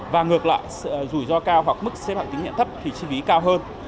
và ngược lại rủi ro cao hoặc mức xếp hạng tín nhiệm thấp thì chi phí cao hơn